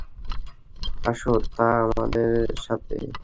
আছো তো আমাদের সাথে?